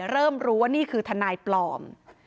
เริ่มรู้ว่านี่คือทนายปลอม